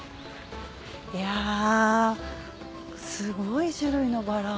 いやすごい種類のバラ。